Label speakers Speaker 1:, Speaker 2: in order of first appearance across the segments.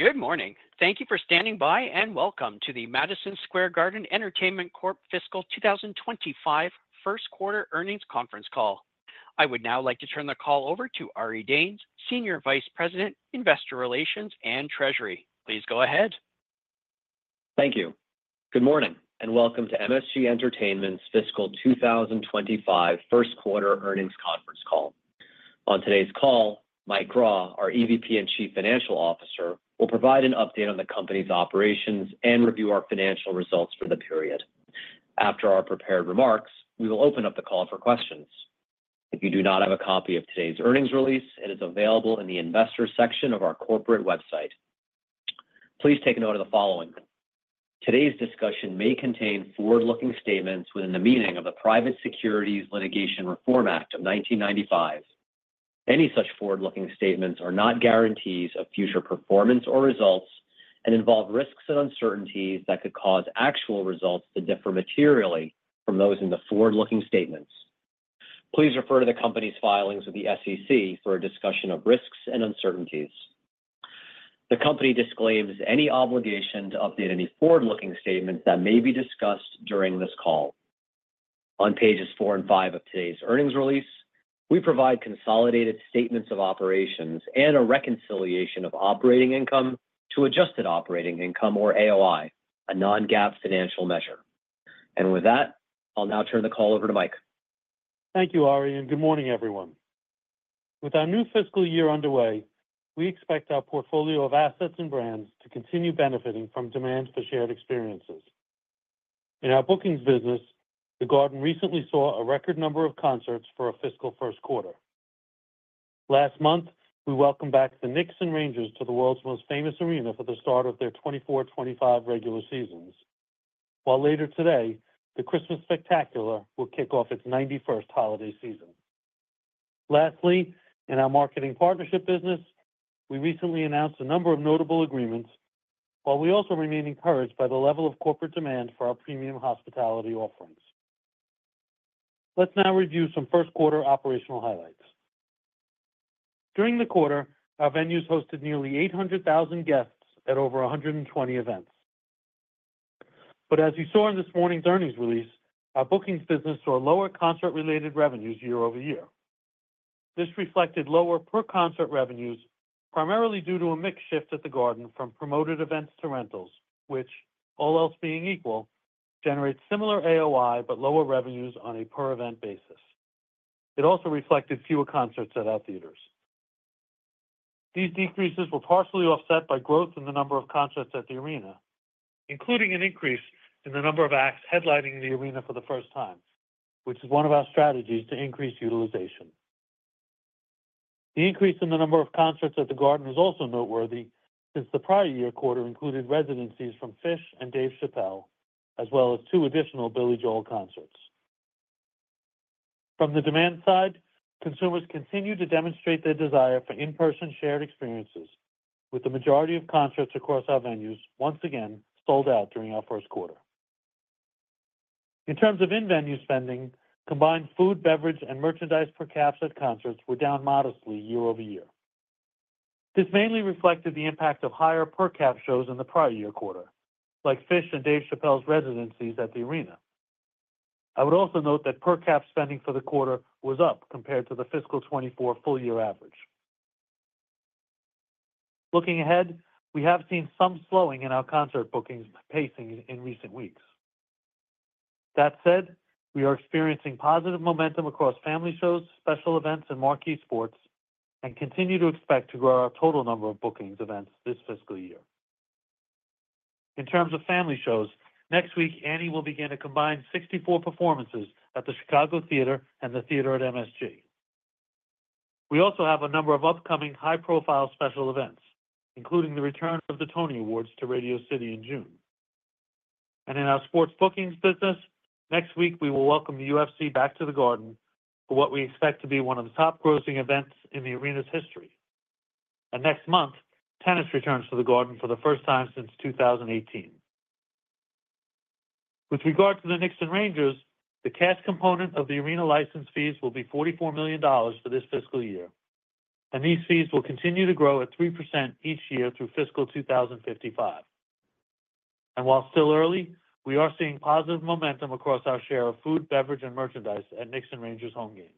Speaker 1: Good morning. Thank you for standing by and welcome to the Madison Square Garden Entertainment Corp. Fiscal 2025 Q1 Earnings Conference Call. I would now like to turn the call over to Ari Danes, Senior Vice President, Investor Relations and Treasury. Please go ahead.
Speaker 2: Thank you. Good morning and welcome to MSG Entertainment's Fiscal 2025 Q1 Earnings Conference Call. On today's call, Mike Grau, our EVP and Chief Financial Officer, will provide an update on the company's operations and review our financial results for the period. After our prepared remarks, we will open up the call for questions. If you do not have a copy of today's earnings release, it is available in the Investor section of our corporate website. Please take note of the following: Today's discussion may contain forward-looking statements within the meaning of the Private Securities Litigation Reform Act of 1995. Any such forward-looking statements are not guarantees of future performance or results and involve risks and uncertainties that could cause actual results to differ materially from those in the forward-looking statements. Please refer to the company's filings with the SEC for a discussion of risks and uncertainties. The company disclaims any obligation to update any forward-looking statements that may be discussed during this call. On pages four and five of today's earnings release, we provide consolidated statements of operations and a reconciliation of operating income to Adjusted Operating Income, or AOI, a non-GAAP financial measure. And with that, I'll now turn the call over to Mike. Thank you, Ari, and good morning, everyone. With our new fiscal year underway, we expect our portfolio of assets and brands to continue benefiting from demand for shared experiences. In our bookings business, the Garden recently saw a record number of concerts for a fiscal Q1. Last month, we welcomed back the Knicks and Rangers to the world's most famous arena for the start of their 2024-2025 regular seasons, while later today, the Christmas Spectacular will kick off its 91st holiday season. Lastly, in our marketing partnership business, we recently announced a number of notable agreements, while we also remain encouraged by the level of corporate demand for our premium hospitality offerings. Let's now review some Q1 operational highlights. During the quarter, our venues hosted nearly 800,000 guests at over 120 events. But as you saw in this morning's earnings release, our bookings business saw lower concert-related revenues year over year. This reflected lower per-concert revenues, primarily due to a mix shift at the Garden from promoted events to rentals, which, all else being equal, generates similar AOI but lower revenues on a per-event basis. It also reflected fewer concerts at our theaters. These decreases were partially offset by growth in the number of concerts at the arena, including an increase in the number of acts headlining the arena for the first time, which is one of our strategies to increase utilization. The increase in the number of concerts at the Garden is also noteworthy since the prior year quarter included residencies from Phish and Dave Chappelle, as well as two additional Billy Joel concerts. From the demand side, consumers continue to demonstrate their desire for in-person shared experiences, with the majority of concerts across our venues once again sold out during our Q1. In terms of in-venue spending, combined food, beverage, and merchandise per caps at concerts were down modestly year over year. This mainly reflected the impact of higher per-cap shows in the prior year quarter, like Phish and Dave Chappelle's residencies at the arena. I would also note that per-cap spending for the quarter was up compared to the fiscal 2024 full-year average. Looking ahead, we have seen some slowing in our concert bookings pacing in recent weeks. That said, we are experiencing positive momentum across family shows, special events, and marquee sports, and continue to expect to grow our total number of bookings events this fiscal year. In terms of family shows, next week, Annie will begin a combined 64 performances at the Chicago Theatre and the Theater at MSG. We also have a number of upcoming high-profile special events, including the return of the Tony Awards to Radio City in June, and in our sports bookings business, next week, we will welcome the UFC back to the Garden for what we expect to be one of the top-grossing events in the arena's history, and next month, tennis returns to the Garden for the first time since 2018. With regard to the Knicks and Rangers, the cash component of the arena license fees will be $44 million for this fiscal year, and these fees will continue to grow at 3% each year through fiscal 2055. While still early, we are seeing positive momentum across our share of food, beverage, and merchandise at Knicks and Rangers home games.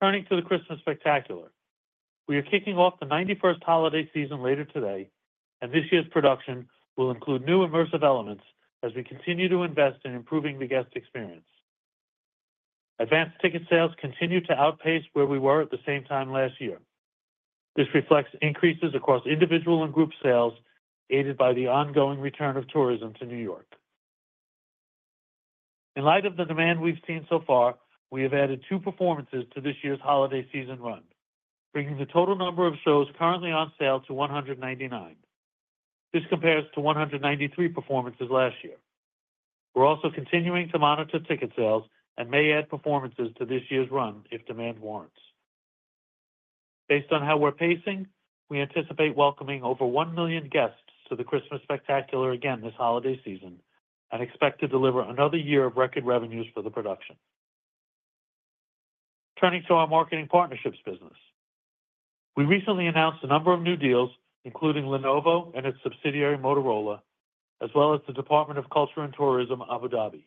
Speaker 2: Turning to the Christmas Spectacular, we are kicking off the 91st holiday season later today, and this year's production will include new immersive elements as we continue to invest in improving the guest experience. Advanced ticket sales continue to outpace where we were at the same time last year. This reflects increases across individual and group sales, aided by the ongoing return of tourism to New York. In light of the demand we've seen so far, we have added two performances to this year's holiday season run, bringing the total number of shows currently on sale to 199. This compares to 193 performances last year. We're also continuing to monitor ticket sales and may add performances to this year's run if demand warrants. Based on how we're pacing, we anticipate welcoming over one million guests to the Christmas Spectacular again this holiday season and expect to deliver another year of record revenues for the production. Turning to our marketing partnerships business, we recently announced a number of new deals, including Lenovo and its subsidiary Motorola, as well as the Department of Culture and Tourism, Abu Dhabi.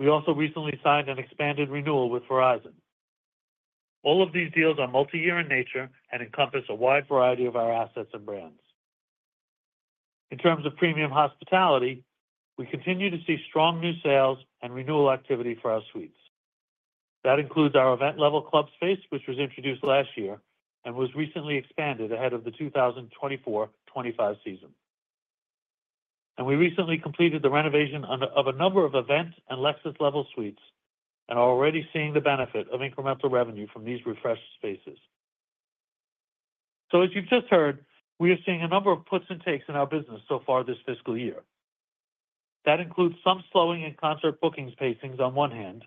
Speaker 2: We also recently signed an expanded renewal with Verizon. All of these deals are multi-year in nature and encompass a wide variety of our assets and brands. In terms of premium hospitality, we continue to see strong new sales and renewal activity for our suites. That includes our event-level club space, which was introduced last year and was recently expanded ahead of the 2024-2025 season. We recently completed the renovation of a number of event and luxury-level suites and are already seeing the benefit of incremental revenue from these refreshed spaces. So, as you've just heard, we are seeing a number of puts and takes in our business so far this fiscal year. That includes some slowing in concert bookings pacings on one hand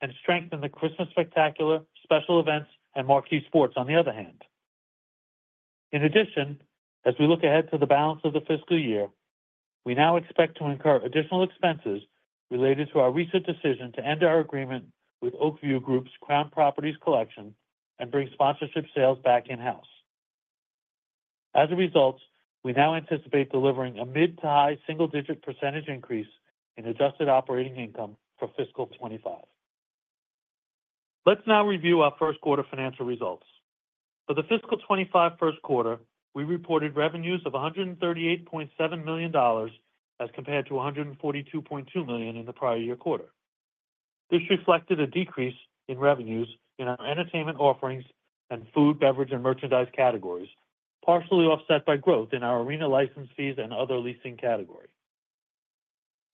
Speaker 2: and strength in the Christmas Spectacular, special events, and marquee sports on the other hand. In addition, as we look ahead to the balance of the fiscal year, we now expect to incur additional expenses related to our recent decision to end our agreement with Oak View Group's Crown Properties Collection and bring sponsorship sales back in-house. As a result, we now anticipate delivering a mid-to-high single-digit % increase in Adjusted Operating Income for fiscal 2025. Let's now review our Q1 financial results. For the fiscal '25 Q1, we reported revenues of $138.7 million as compared to $142.2 million in the prior year quarter. This reflected a decrease in revenues in our entertainment offerings and food, beverage, and merchandise categories, partially offset by growth in our arena license fees and other leasing category.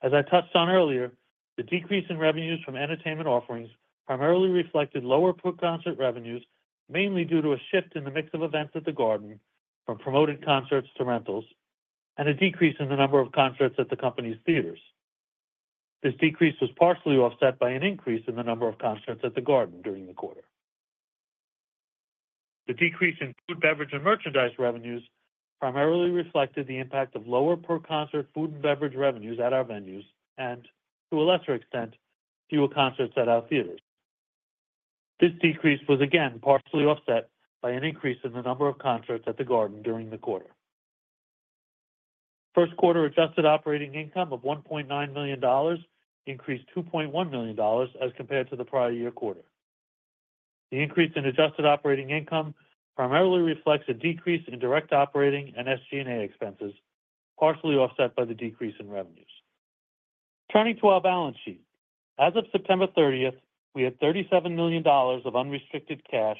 Speaker 2: As I touched on earlier, the decrease in revenues from entertainment offerings primarily reflected lower per-concert revenues, mainly due to a shift in the mix of events at the Garden from promoted concerts to rentals and a decrease in the number of concerts at the company's theaters. This decrease was partially offset by an increase in the number of concerts at the Garden during the quarter. The decrease in food, beverage, and merchandise revenues primarily reflected the impact of lower per-concert food and beverage revenues at our venues and, to a lesser extent, fewer concerts at our theaters. This decrease was again partially offset by an increase in the number of concerts at the Garden during the quarter. Q1 adjusted operating income of $1.9 million increased $2.1 million as compared to the prior year quarter. The increase in adjusted operating income primarily reflects a decrease in direct operating and SG&A expenses, partially offset by the decrease in revenues. Turning to our balance sheet, as of September 30th, we had $37 million of unrestricted cash,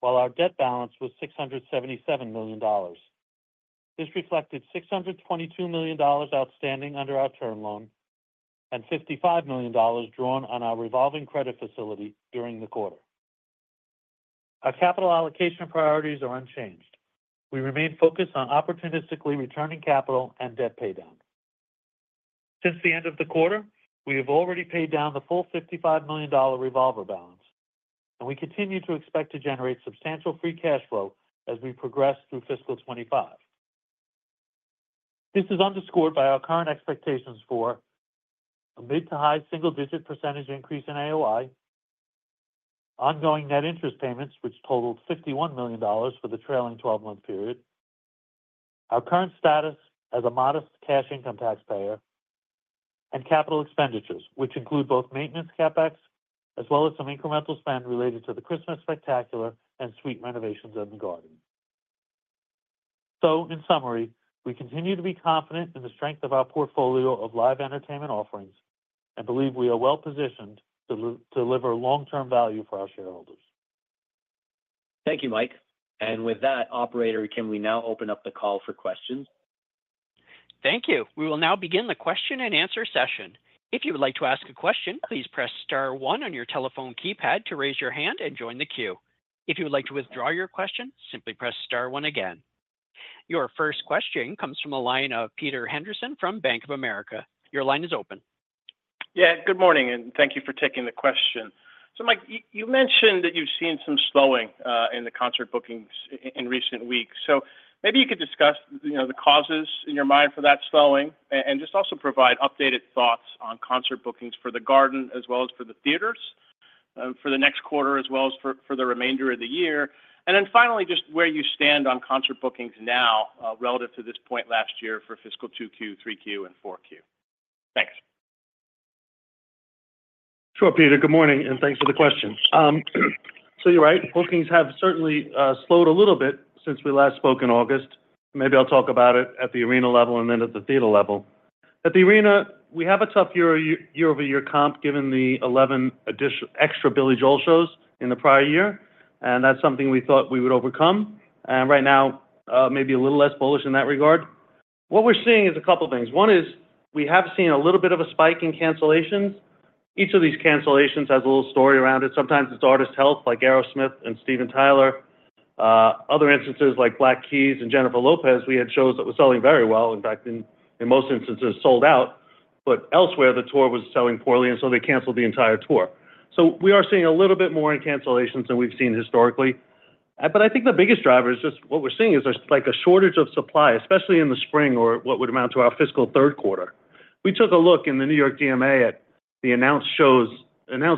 Speaker 2: while our debt balance was $677 million. This reflected $622 million outstanding under our term loan and $55 million drawn on our revolving credit facility during the quarter. Our capital allocation priorities are unchanged. We remain focused on opportunistically returning capital and debt paydown. Since the end of the quarter, we have already paid down the full $55 million revolver balance, and we continue to expect to generate substantial free cash flow as we progress through fiscal 2025. This is underscored by our current expectations for a mid-to-high single-digit % increase in AOI, ongoing net interest payments, which totaled $51 million for the trailing 12-month period, our current status as a modest cash income taxpayer, and capital expenditures, which include both maintenance CapEx as well as some incremental spend related to the Christmas Spectacular and suite renovations at the Garden. So, in summary, we continue to be confident in the strength of our portfolio of live entertainment offerings and believe we are well-positioned to deliver long-term value for our shareholders. Thank you, Mike. With that, Operator, can we now open up the call for questions?
Speaker 1: Thank you. We will now begin the question-and-answer session. If you would like to ask a question, please press star 1 on your telephone keypad to raise your hand and join the queue. If you would like to withdraw your question, simply press star 1 again. Your first question comes from Peter Henderson from Bank of America. Your line is open.
Speaker 3: Yeah, good morning, and thank you for taking the question. So, Mike, you mentioned that you've seen some slowing in the concert bookings in recent weeks. So maybe you could discuss the causes in your mind for that slowing and just also provide updated thoughts on concert bookings for the Garden as well as for the theaters for the next quarter, as well as for the remainder of the year. And then finally, just where you stand on concert bookings now relative to this point last year for fiscal 2Q, 3Q, and 4Q. Thanks.
Speaker 4: Sure, Peter. Good morning, and thanks for the question. So you're right. Bookings have certainly slowed a little bit since we last spoke in August. Maybe I'll talk about it at the arena level and then at the theater level. At the arena, we have a tough year-over-year comp given the 11 extra Billy Joel shows in the prior year, and that's something we thought we would overcome. And right now, maybe a little less bullish in that regard. What we're seeing is a couple of things. One is we have seen a little bit of a spike in cancellations. Each of these cancellations has a little story around it. Sometimes it's artist health, like Aerosmith and Steven Tyler. Other instances, like Black Keys and Jennifer Lopez, we had shows that were selling very well. In fact, in most instances, sold out. But elsewhere, the tour was selling poorly, and so they canceled the entire tour. So we are seeing a little bit more in cancellations than we've seen historically. But I think the biggest driver is just what we're seeing is like a shortage of supply, especially in the spring or what would amount to our fiscal Q3. We took a look in the New York DMA at the announced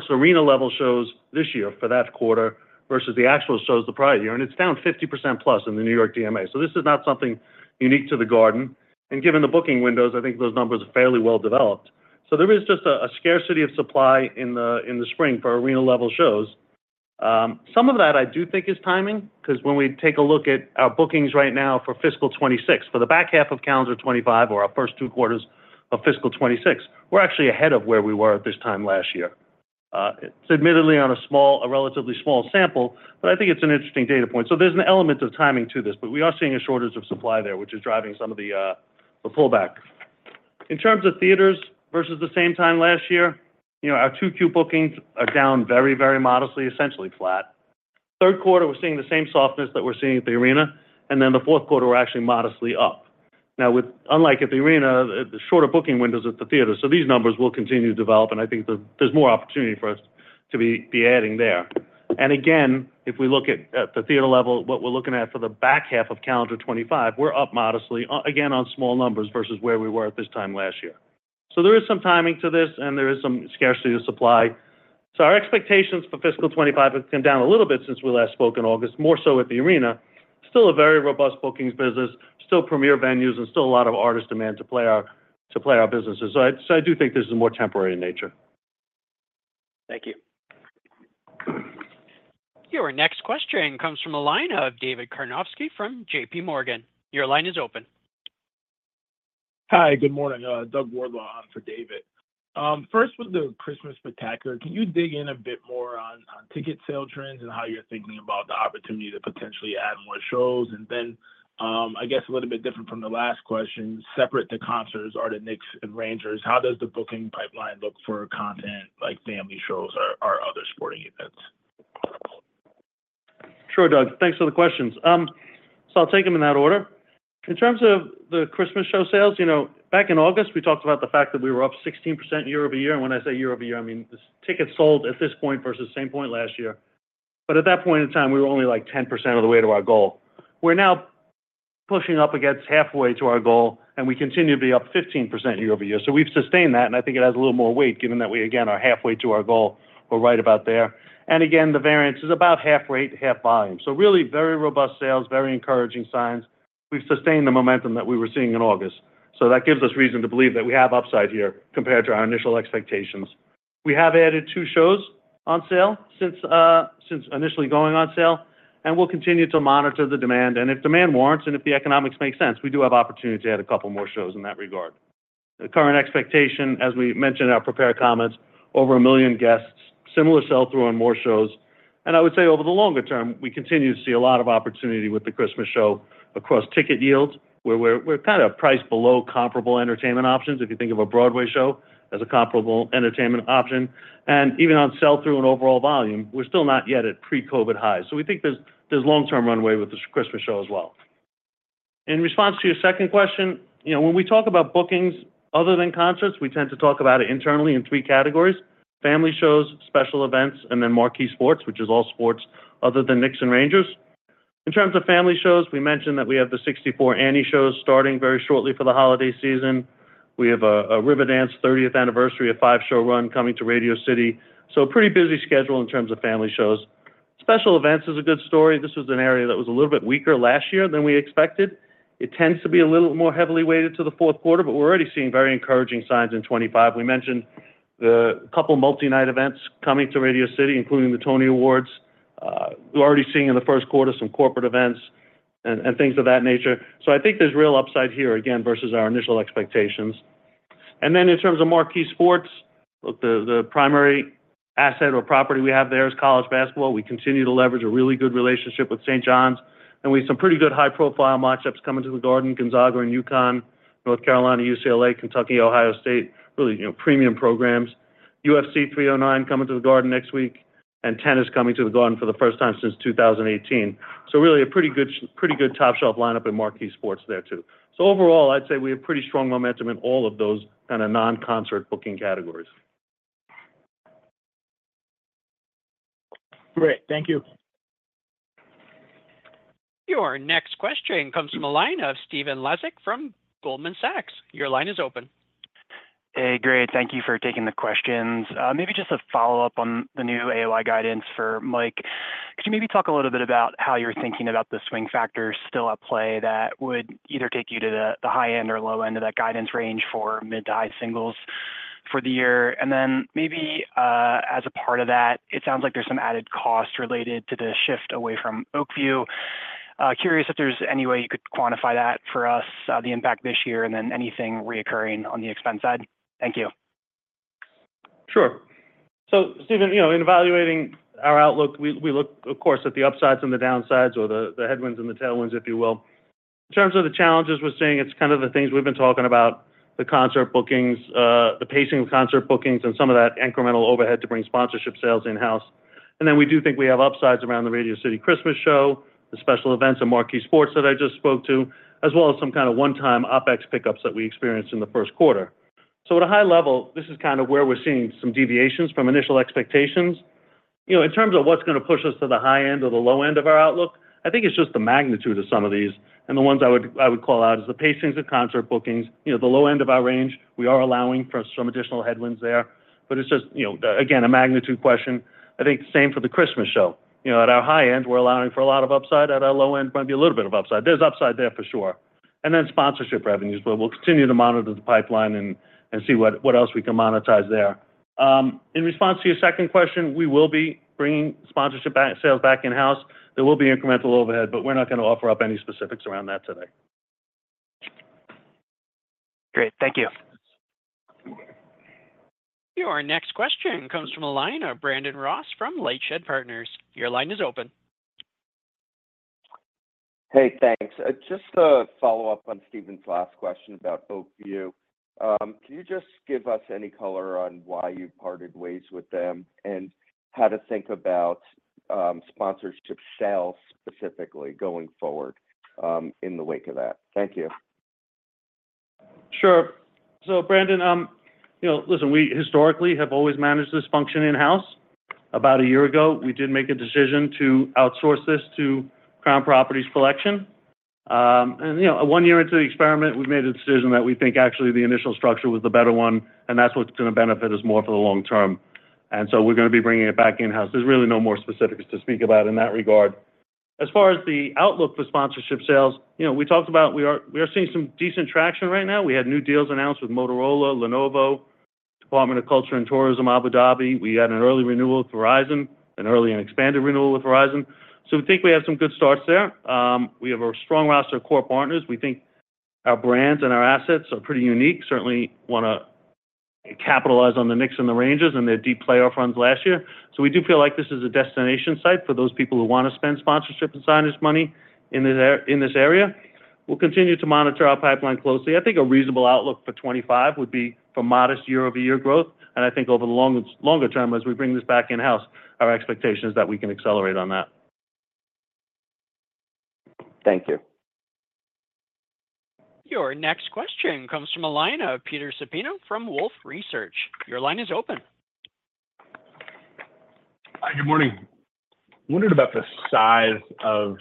Speaker 4: arena-level shows this year for that quarter versus the actual shows the prior year, and it's down 50% plus in the New York DMA. So this is not something unique to the Garden. And given the booking windows, I think those numbers are fairly well developed. So there is just a scarcity of supply in the spring for arena-level shows. Some of that I do think is timing because when we take a look at our bookings right now for fiscal 2026, for the back half of calendar 2025 or our first two quarters of fiscal 2026, we're actually ahead of where we were at this time last year. It's admittedly on a relatively small sample, but I think it's an interesting data point. So there's an element of timing to this, but we are seeing a shortage of supply there, which is driving some of the pullback. In terms of theaters versus the same time last year, our 2Q bookings are down very, very modestly, essentially flat. Q3, we're seeing the same softness that we're seeing at the arena, and then the Q4 were actually modestly up. Now, unlike at the arena, the shorter booking windows at the theaters, so these numbers will continue to develop, and I think there's more opportunity for us to be adding there. And again, if we look at the theater level, what we're looking at for the back half of calendar 2025, we're up modestly, again, on small numbers versus where we were at this time last year. So there is some timing to this, and there is some scarcity of supply. So our expectations for fiscal 2025 have come down a little bit since we last spoke in August, more so at the arena. Still a very robust bookings business, still premier venues, and still a lot of artist demand to play our businesses. So I do think this is more temporary in nature.
Speaker 3: Thank you.
Speaker 1: Your next question comes from the line of David Karnovsky from JPMorgan. Your line is open.
Speaker 5: Hi, good morning. Doug Wardlaw on for David. First, with the Christmas Spectacular, can you dig in a bit more on ticket sale trends and how you're thinking about the opportunity to potentially add more shows? And then, I guess a little bit different from the last question, separate from concerts and the Knicks and Rangers, how does the booking pipeline look for content like family shows or other sporting events?
Speaker 4: Sure, Doug. Thanks for the questions. So I'll take them in that order. In terms of the Christmas show sales, back in August, we talked about the fact that we were up 16% year-over-year. And when I say year-over-year, I mean the tickets sold at this point versus the same point last year. But at that point in time, we were only like 10% of the way to our goal. We're now pushing up against halfway to our goal, and we continue to be up 15% year-over-year. So we've sustained that, and I think it has a little more weight given that we, again, are halfway to our goal. We're right about there. And again, the variance is about half rate, half volume. So really very robust sales, very encouraging signs. We've sustained the momentum that we were seeing in August. So that gives us reason to believe that we have upside here compared to our initial expectations. We have added two shows on sale since initially going on sale, and we'll continue to monitor the demand. And if demand warrants and if the economics make sense, we do have opportunity to add a couple more shows in that regard. The current expectation, as we mentioned in our prepared comments: over a million guests, similar sell-through on more shows. And I would say over the longer term, we continue to see a lot of opportunity with the Christmas show across ticket yields, where we're kind of priced below comparable entertainment options. If you think of a Broadway show as a comparable entertainment option. And even on sell-through and overall volume, we're still not yet at pre-COVID highs. So we think there's long-term runway with the Christmas show as well. In response to your second question, when we talk about bookings other than concerts, we tend to talk about it internally in three categories: family shows, special events, and then marquee sports, which is all sports other than Knicks and Rangers. In terms of family shows, we mentioned that we have the 64 Annie shows starting very shortly for the holiday season. We have a Riverdance 30th anniversary five-show run coming to Radio City. So a pretty busy schedule in terms of family shows. Special events is a good story. This was an area that was a little bit weaker last year than we expected. It tends to be a little more heavily weighted to the Q4, but we're already seeing very encouraging signs in 2025. We mentioned a couple multi-night events coming to Radio City, including the Tony Awards. We're already seeing in the Q1 some corporate events and things of that nature. I think there's real upside here, again, versus our initial expectations. In terms of marquee sports, look, the primary asset or property we have there is college basketball. We continue to leverage a really good relationship with St. John's. We have some pretty good high-profile matchups coming to the Garden: Gonzaga and UConn, North Carolina, UCLA, Kentucky, Ohio State, really premium programs. UFC 309 is coming to the Garden next week, and tennis is coming to the Garden for the first time since 2018. Really a pretty good top-shelf lineup in marquee sports there too. Overall, I'd say we have pretty strong momentum in all of those kind of non-concert booking categories.
Speaker 2: Great. Thank you.
Speaker 1: Your next question comes from the line of Stephen Laszczyk from Goldman Sachs. Your line is open.
Speaker 6: Hey, great. Thank you for taking the questions. Maybe just a follow-up on the new AOI guidance for Mike. Could you maybe talk a little bit about how you're thinking about the swing factors still at play that would either take you to the high end or low end of that guidance range for mid to high singles for the year? And then maybe as a part of that, it sounds like there's some added cost related to the shift away from Oak View. Curious if there's any way you could quantify that for us, the impact this year, and then anything recurring on the expense side. Thank you.
Speaker 4: Sure. So Stephen, in evaluating our outlook, we look, of course, at the upsides and the downsides or the headwinds and the tailwinds, if you will. In terms of the challenges, we're seeing it's kind of the things we've been talking about: the concert bookings, the pacing of concert bookings, and some of that incremental overhead to bring sponsorship sales in-house. And then we do think we have upsides around the Radio City Christmas show, the special events, and marquee sports that I just spoke to, as well as some kind of one-time OpEx pickups that we experienced in the Q1. So at a high level, this is kind of where we're seeing some deviations from initial expectations. In terms of what's going to push us to the high end or the low end of our outlook, I think it's just the magnitude of some of these. And the ones I would call out is the pacings of concert bookings. The low end of our range, we are allowing for some additional headwinds there. But it's just, again, a magnitude question. I think same for the Christmas show. At our high end, we're allowing for a lot of upside. At our low end, it might be a little bit of upside. There's upside there for sure. And then sponsorship revenues, we'll continue to monitor the pipeline and see what else we can monetize there. In response to your second question, we will be bringing sponsorship sales back in-house. There will be incremental overhead, but we're not going to offer up any specifics around that today.
Speaker 6: Great. Thank you.
Speaker 1: Your next question comes from Brandon Ross from LightShed Partners. Your line is open.
Speaker 7: Hey, thanks. Just to follow up on Stephen's last question about Oak View, can you just give us any color on why you parted ways with them and how to think about sponsorship sales specifically going forward in the wake of that? Thank you.
Speaker 4: Sure. So Brandon, listen, we historically have always managed this function in-house. About a year ago, we did make a decision to outsource this to Crown Properties Collection, and one year into the experiment, we've made a decision that we think actually the initial structure was the better one, and that's what's going to benefit us more for the long term, and so we're going to be bringing it back in-house. There's really no more specifics to speak about in that regard. As far as the outlook for sponsorship sales, we talked about we are seeing some decent traction right now. We had new deals announced with Motorola, Lenovo, Department of Culture and Tourism, Abu Dhabi. We had an early renewal with Verizon, an early and expanded renewal with Verizon, so we think we have some good starts there. We have a strong roster of core partners. We think our brands and our assets are pretty unique. Certainly want to capitalize on the Knicks and the Rangers and their deep playoff runs last year, so we do feel like this is a destination site for those people who want to spend sponsorship and signage money in this area. We'll continue to monitor our pipeline closely. I think a reasonable outlook for 2025 would be for modest year-over-year growth, and I think over the longer term, as we bring this back in-house, our expectation is that we can accelerate on that.
Speaker 7: Thank you.
Speaker 1: Your next question comes from Peter Supino from Wolfe Research. Your line is open.
Speaker 8: Hi, good morning. Wondered about the size of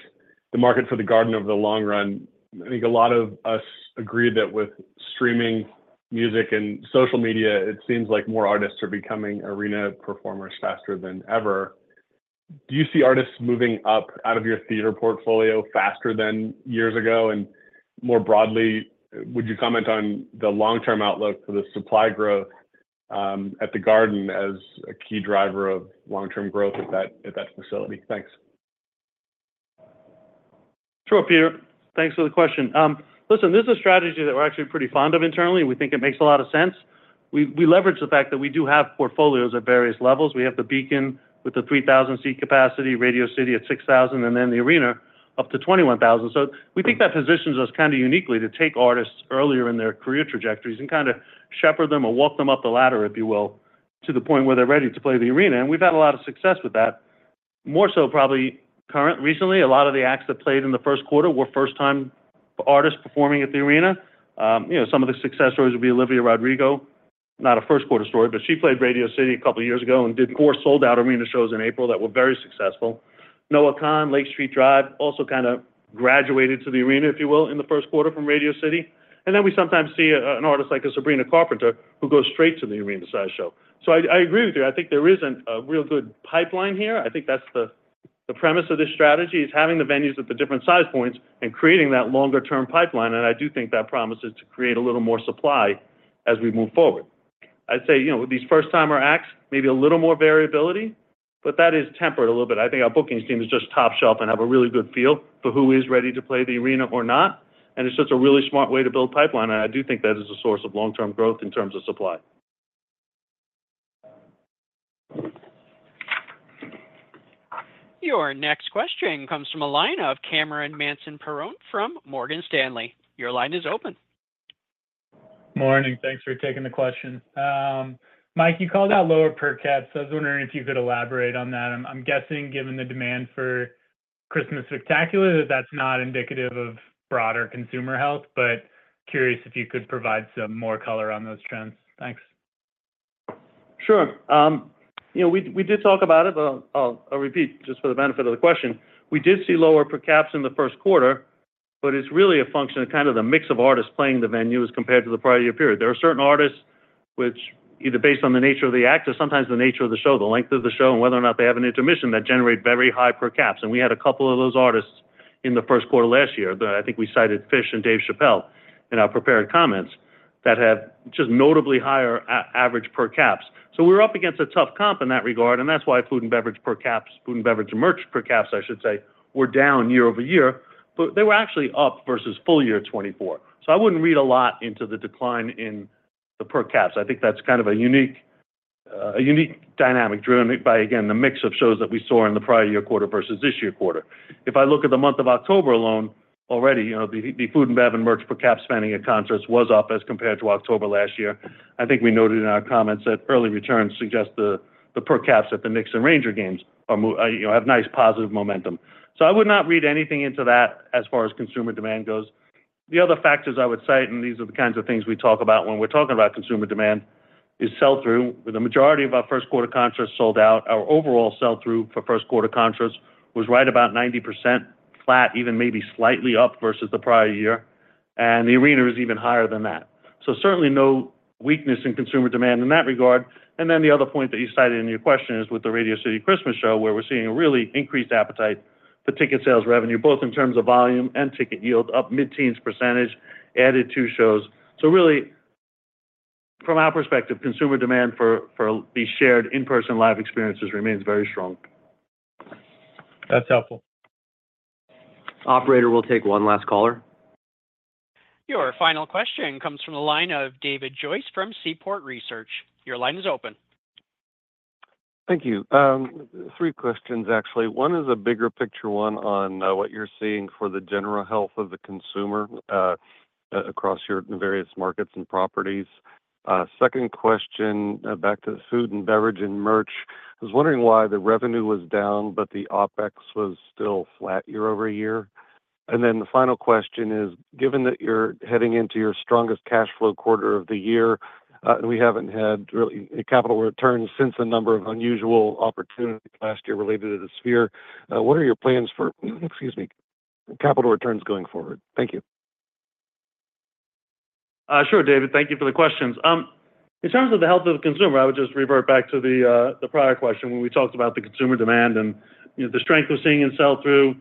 Speaker 8: the market for the Garden over the long run. I think a lot of us agree that with streaming music and social media, it seems like more artists are becoming arena performers faster than ever. Do you see artists moving up out of your theater portfolio faster than years ago? And more broadly, would you comment on the long-term outlook for the supply growth at the Garden as a key driver of long-term growth at that facility? Thanks.
Speaker 4: Sure, Peter. Thanks for the question. Listen, this is a strategy that we're actually pretty fond of internally. We think it makes a lot of sense. We leverage the fact that we do have portfolios at various levels. We have the Beacon with the 3,000-seat capacity, Radio City at 6,000, and then the Arena up to 21,000. So we think that positions us kind of uniquely to take artists earlier in their career trajectories and kind of shepherd them or walk them up the ladder, if you will, to the point where they're ready to play the Arena. And we've had a lot of success with that. More so probably recently, a lot of the acts that played in the Q1 were first-time artists performing at the Arena. Some of the success stories would be Olivia Rodrigo, not a Q1 story, but she played Radio City a couple of years ago and did four sold-out arena shows in April that were very successful. Noah Kahan, Lake Street Dive, also kind of graduated to the arena, if you will, in the Q1 from Radio City. And then we sometimes see an artist like a Sabrina Carpenter who goes straight to the arena-sized show. So I agree with you. I think there isn't a real good pipeline here. I think that's the premise of this strategy is having the venues at the different size points and creating that longer-term pipeline. And I do think that promises to create a little more supply as we move forward. I'd say with these first-timer acts, maybe a little more variability, but that is tempered a little bit. I think our booking scheme is just top-shelf and have a really good feel for who is ready to play the Arena or not. And it's just a really smart way to build pipeline. And I do think that is a source of long-term growth in terms of supply.
Speaker 1: Your next question comes from the line of Cameron Mansson-Perrone from Morgan Stanley. Your line is open.
Speaker 9: Morning. Thanks for taking the question. Mike, you called out lower per caps. I was wondering if you could elaborate on that. I'm guessing, given the demand for Christmas Spectacular, that that's not indicative of broader consumer health, but curious if you could provide some more color on those trends. Thanks.
Speaker 4: Sure. We did talk about it, but I'll repeat just for the benefit of the question. We did see lower per capita in the Q1, but it's really a function of kind of the mix of artists playing the venue as compared to the prior year period. There are certain artists which, either based on the nature of the act or sometimes the nature of the show, the length of the show, and whether or not they have an intermission that generate very high per capita. And we had a couple of those artists in the Q1 last year. I think we cited Phish and Dave Chappelle in our prepared comments that have just notably higher average per capita. So we're up against a tough comp in that regard. That's why food and beverage per capita, food and beverage merch per capita, I should say, were down year-over-year, but they were actually up versus full year 2024. So I wouldn't read a lot into the decline in the per capita. I think that's kind of a unique dynamic driven by, again, the mix of shows that we saw in the prior year quarter versus this year quarter. If I look at the month of October alone, already the food and beverage merch per capita spending at concerts was up as compared to October last year. I think we noted in our comments that early returns suggest the per capita at the Knicks and Rangers games have nice positive momentum. So I would not read anything into that as far as consumer demand goes. The other factors I would cite, and these are the kinds of things we talk about when we're talking about consumer demand, is sell-through. The majority of our Q1 concerts sold out. Our overall sell-through for Q1 concerts was right about 90%, flat, even maybe slightly up versus the prior year. And the Arena is even higher than that. So certainly no weakness in consumer demand in that regard. And then the other point that you cited in your question is with the Radio City Christmas show, where we're seeing a really increased appetite for ticket sales revenue, both in terms of volume and ticket yield, up mid-teens %, added two shows. So really, from our perspective, consumer demand for these shared in-person live experiences remains very strong.
Speaker 9: That's helpful.
Speaker 4: Operator, we'll take one last caller.
Speaker 1: Your final question comes from the line of David Joyce from Seaport Research. Your line is open.
Speaker 10: Thank you. Three questions, actually. One is a bigger picture one on what you're seeing for the general health of the consumer across your various markets and properties. Second question, back to the food and beverage and merch. I was wondering why the revenue was down, but the OpEx was still flat year-over-year. And then the final question is, given that you're heading into your strongest cash flow quarter of the year, and we haven't had really capital returns since the number of unusual opportunities last year related to the Sphere, what are your plans for, excuse me, capital returns going forward? Thank you.
Speaker 4: Sure, David. Thank you for the questions. In terms of the health of the consumer, I would just revert back to the prior question when we talked about the consumer demand and the strength we're seeing in sell-through,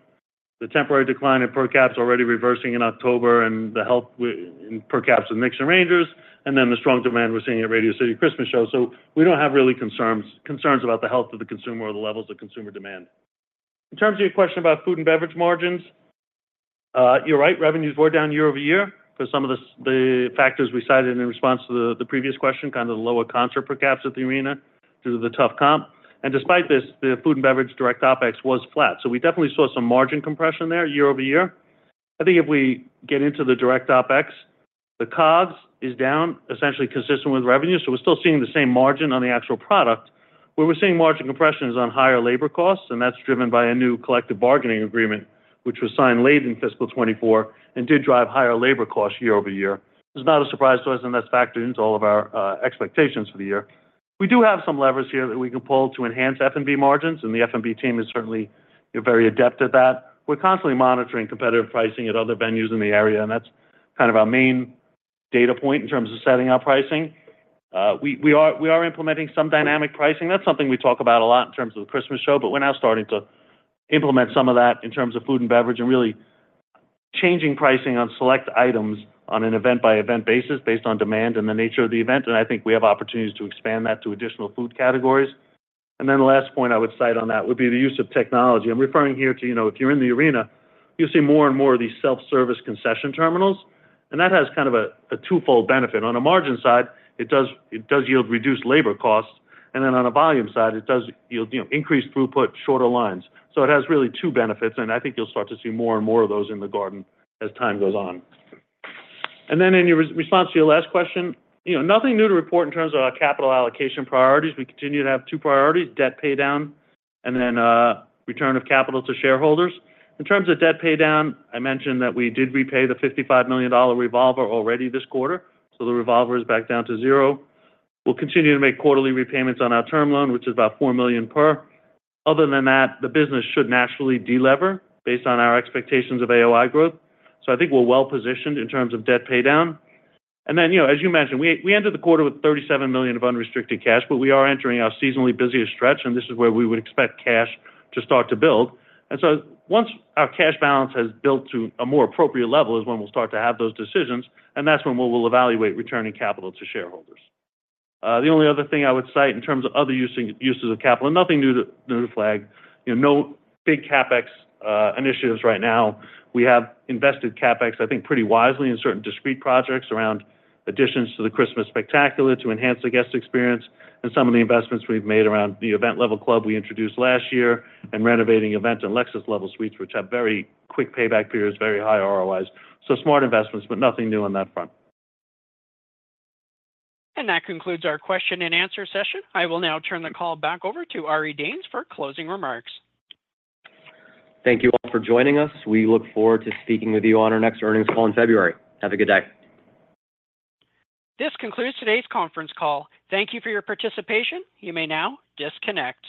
Speaker 4: the temporary decline in per capita already reversing in October, and the health in per capita of Knicks and Rangers, and then the strong demand we're seeing at Radio City Christmas show. So we don't have really concerns about the health of the consumer or the levels of consumer demand. In terms of your question about food and beverage margins, you're right, revenues were down year-over-year for some of the factors we cited in response to the previous question, kind of the lower concert per capita at the Arena due to the tough comp. And despite this, the food and beverage direct OpEx was flat. So we definitely saw some margin compression there year-over-year. I think if we get into the direct OpEx, the COGS is down, essentially consistent with revenue. So we're still seeing the same margin on the actual product, where we're seeing margin compressions on higher labor costs, and that's driven by a new collective bargaining agreement, which was signed late in fiscal 2024 and did drive higher labor costs year-over-year. It's not a surprise to us, and that's factored into all of our expectations for the year. We do have some levers here that we can pull to enhance F&B margins, and the F&B team is certainly very adept at that. We're constantly monitoring competitive pricing at other venues in the area, and that's kind of our main data point in terms of setting our pricing. We are implementing some dynamic pricing. That's something we talk about a lot in terms of the Christmas show, but we're now starting to implement some of that in terms of food and beverage and really changing pricing on select items on an event-by-event basis based on demand and the nature of the event. And I think we have opportunities to expand that to additional food categories. And then the last point I would cite on that would be the use of technology. I'm referring here to, if you're in the Arena, you'll see more and more of these self-service concession terminals. And that has kind of a twofold benefit. On a margin side, it does yield reduced labor costs. And then on a volume side, it does yield increased throughput, shorter lines. So it has really two benefits, and I think you'll start to see more and more of those in the Garden as time goes on. And then in response to your last question, nothing new to report in terms of our capital allocation priorities. We continue to have two priorities: debt paydown and then return of capital to shareholders. In terms of debt paydown, I mentioned that we did repay the $55 million revolver already this quarter. So the revolver is back down to zero. We'll continue to make quarterly repayments on our term loan, which is about four million per. Other than that, the business should naturally delever based on our expectations of AOI growth. So I think we're well-positioned in terms of debt paydown. Then, as you mentioned, we entered the quarter with $37 million of unrestricted cash, but we are entering our seasonally busiest stretch, and this is where we would expect cash to start to build. And so once our cash balance has built to a more appropriate level is when we'll start to have those decisions, and that's when we'll evaluate returning capital to shareholders. The only other thing I would cite in terms of other uses of capital, and nothing new to flag, no big CapEx initiatives right now. We have invested CapEx, I think, pretty wisely in certain discreet projects around additions to the Christmas Spectacular to enhance the guest experience. And some of the investments we've made around the event-level club we introduced last year and renovating event and Lexus-level suites, which have very quick payback periods, very high ROIs. So smart investments, but nothing new on that front.
Speaker 1: That concludes our question and answer session. I will now turn the call back over to Ari Danes for closing remarks.
Speaker 4: Thank you all for joining us. We look forward to speaking with you on our next earnings call in February. Have a good day.
Speaker 1: This concludes today's conference call. Thank you for your participation. You may now disconnect.